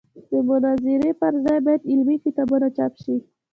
د مناظرې پر ځای باید علمي کتابونه چاپ شي.